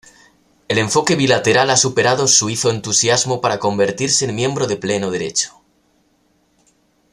El enfoque bilateral ha superado suizo entusiasmo para convertirse en miembro de pleno derecho.